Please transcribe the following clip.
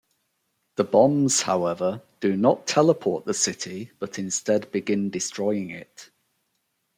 The bombs, however, do not teleport the city but instead begin destroying it.